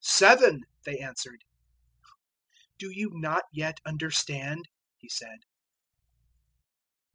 "Seven," they answered. 008:021 "Do you not yet understand?" He said.